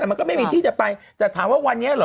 แต่มันก็ไม่มีที่จะไปแต่ถามว่าวันนี้เหรอ